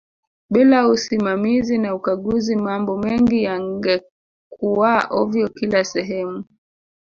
bila usimamizi na ukaguzi mambo mengi yangekuaa ovyo kila sehemu